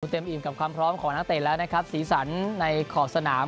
เต็มอิ่มกับความพร้อมของนักเตะแล้วนะครับสีสันในขอบสนาม